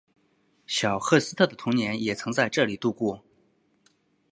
小赫斯特的童年也曾在这里度过。